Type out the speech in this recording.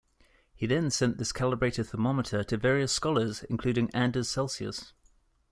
He then sent this calibrated thermometer to various scholars, including Anders Celsius.